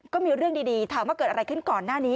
ก็มีเรื่องดีถามว่าเกิดอะไรขึ้นก่อนหน้านี้